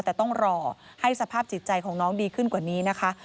แต่ต้องรอให้สภาพจิตใจของน้องดีขึ้นกว่านี้นะคะ